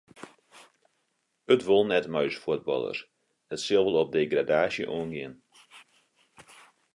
It wol net mei ús fuotballers, it sil wol op degradaasje oangean.